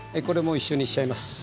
これも一緒にしちゃいます。